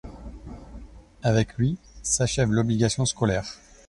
Avec lui s'achève l'obligation scolaire.